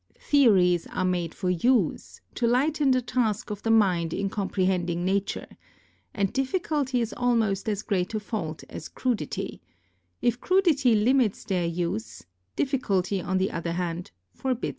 Theories are made for use, to lighten the task of the mind in comprehending Nature, and difficulty is almost as great a fault as crudity ; if crudity limits their use, difficulty, on the other hand, forbids it.